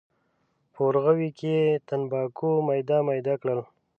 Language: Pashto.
په ورغوي کې یې تنباکو میده میده کړل.